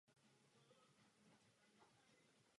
Kvůli ohni se jim nepodařilo rychle obrátit vůz.